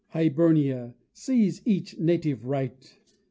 Hibernia, seize each native right!